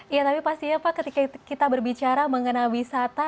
ya tapi pastinya pak ketika kita berbicara mengenai wisata